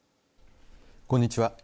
こんにちは。